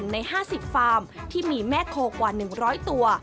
ใน๕๐ฟาร์มที่มีแม่โคกว่า๑๐๐ตัว